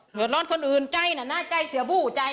เดือดร้อนคนอื่นใจน่ะนะใจเสียบู้ใจ